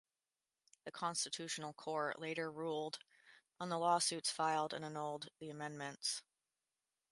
The Constitutional Court later ruled on the lawsuits filed and annulled the amendments.